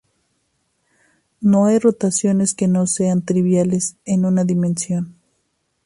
No hay rotaciones que no sean triviales en una dimensión.